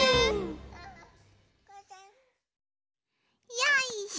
よいしょ。